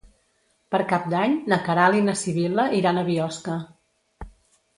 Per Cap d'Any na Queralt i na Sibil·la iran a Biosca.